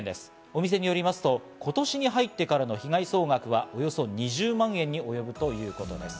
お店によりますと、今年に入ってからの被害総額はおよそ２０万円に及ぶということです。